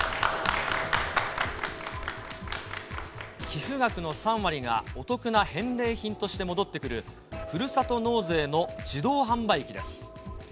寄付額の３割がお得な返礼品として戻ってくる、ふるさと納税の自動販売機です。